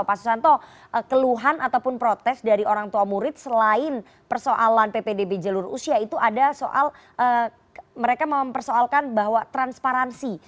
pak susanto keluhan ataupun protes dari orang tua murid selain persoalan ppdb jalur usia itu ada soal mereka mempersoalkan bahwa transparansi